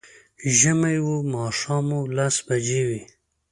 ژمی و، ماښام و، لس بجې وې